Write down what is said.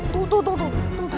tuh tuh tuh tuh